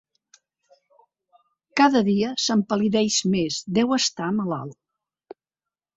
Cada dia s'empal·lideix més: deu estar malalt!